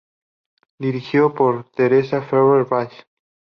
Dirigido por Teresa Ferrer Valls.